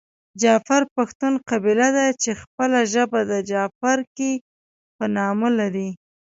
جعفر پښتون قبیله ده چې خپله ژبه د جعفرکي په نامه لري .